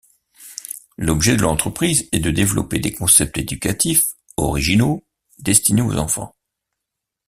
L'objet de l’entreprise est de développer des concepts éducatifs, originaux, destinés aux enfants.